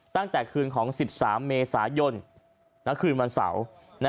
ตั้งแต่คืนของ๑๓เมษายนคืนวันเสาร์